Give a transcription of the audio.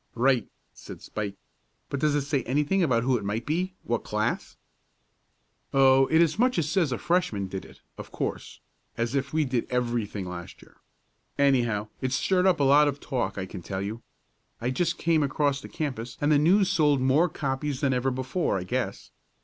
"Right!" exclaimed Spike. "But does it say anything about who it might be what class?" "Oh, it as much as says a Freshman did it, of course as if we did everything last year. Anyhow, it's stirred up a lot of talk, I can tell you. I just came across the campus and the News sold more copies than ever before, I guess.